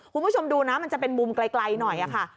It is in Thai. คุณผู้ชมดูนะมันจะเป็นมุมไกลหน่อยค่ะ